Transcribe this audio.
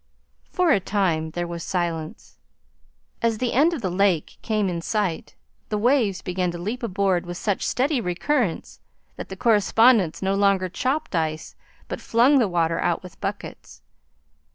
For a time there was silence. As the end of the lake came in sight, the waves began to leap aboard with such steady recurrence that the correspondents no longer chopped ice but flung the water out with buckets.